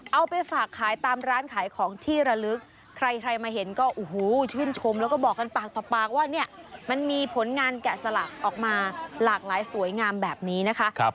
เอาไปฝากขายตามร้านขายของที่ระลึกใครใครมาเห็นก็โอ้โหชื่นชมแล้วก็บอกกันปากต่อปากว่าเนี่ยมันมีผลงานแกะสลักออกมาหลากหลายสวยงามแบบนี้นะคะ